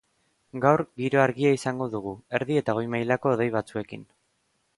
Gaur, giro argia izango dugu, erdi eta goi mailako hodei batzuekin.